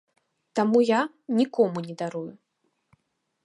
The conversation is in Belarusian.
Таму я нікому не дарую.